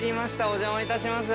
お邪魔いたします。